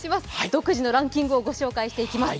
独自のランキングを御紹介していきます。